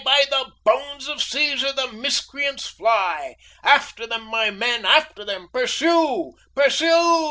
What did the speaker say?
By the bones of Caesar, the miscreants fly! After them, my men! After them! Pursue! pursue!"